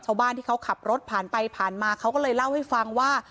ชาวบ้านที่เขาขับรถผ่านไปผ่านมาเขาก็เลยเล่าให้ฟังว่า